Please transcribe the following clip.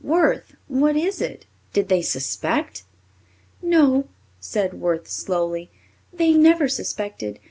"Worth, what is it? Did they suspect?" "No," said Worth slowly. "They never suspected.